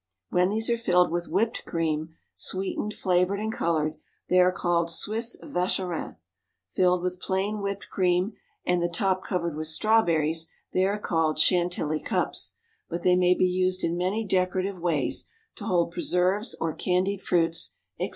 When these are filled with whipped cream, sweetened, flavored, and colored, they are called Swiss Vacherin. Filled with plain whipped cream, and the top covered with strawberries, they are called "Chantilly cups," but they may be used in many decorative ways, to hold preserves or candied fruits, etc.